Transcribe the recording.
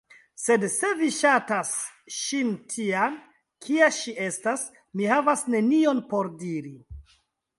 Sed se vi ŝatas ŝin tian, kia ŝi estas, mi havas nenion por diri.